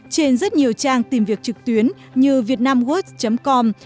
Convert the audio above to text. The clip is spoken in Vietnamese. trên rất nhiều trang tìm việc trực tuyến như vietnamworks com